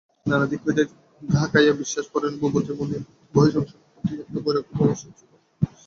নানা দিক হইতে ঘা খাইয়া বিশ্বাসপরায়ণ ভূপতির মনে বহিঃসংসারের প্রতি একটা বৈরাগ্যের ভাব আসিয়াছিল।